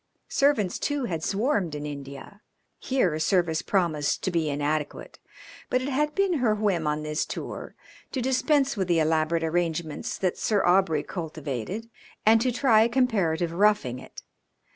Servants, too, had swarmed in India. Here service promised to be inadequate, but it had been her whim on this tour to dispense with the elaborate arrangements that Sir Aubrey cultivated and to try comparative roughing it.